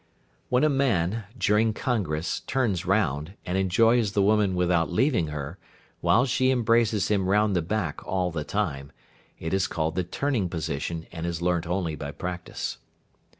When a man, during congress, turns round, and enjoys the woman without leaving her, while she embraces him round the back all the time, it is called the "turning position," and is learnt only by practice.